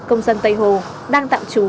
công dân tây hồ đang tạm trú